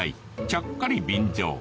ちゃっかり便乗